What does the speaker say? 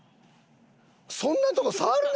そんなとこ触るな！